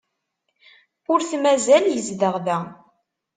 Ur t-mazal yezdeɣ da.